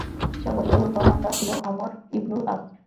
সব অশ্বারোহীর কমান্ডার ছিল আমর ইবনুল আস।